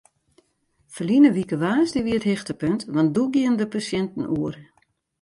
Ferline wike woansdei wie it hichtepunt want doe gienen de pasjinten oer.